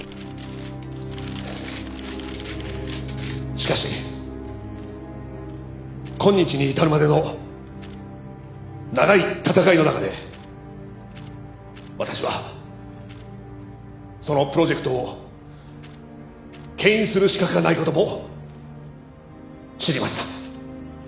しかし今日に至るまでの長い闘いの中で私はそのプロジェクトを牽引する資格がない事も知りました。